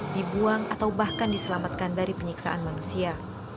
dibuang atau bahkan diselamatkan dari penyiksaan manusia